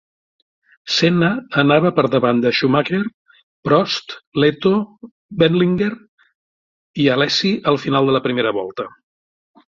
Senna anava per davant de Schumacher, Prost, Lehto, Wendlinger i Alesi al final de la primera volta.